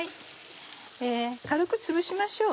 軽くつぶしましょう。